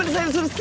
す